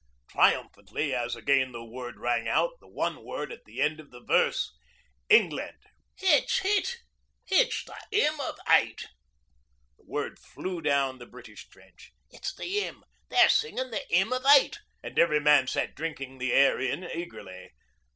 triumphantly, as again the word rang out the one word at the end of the verse ... 'England.' 'It's it. It's the "'Ymn of 'Ate"!' The word flew down the British trench 'It's the 'Ymn! They're singin' the "'Ymn of 'Ate,"' and every man sat drinking the air in eagerly.